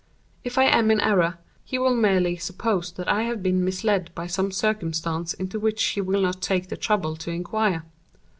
If I am in error, he will merely suppose that I have been misled by some circumstance into which he will not take the trouble to inquire.